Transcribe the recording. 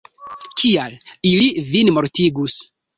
Kial, ili vin mortigus?